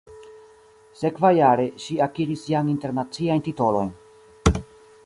Sekvajare, ŝi akiris jam internaciajn titolojn.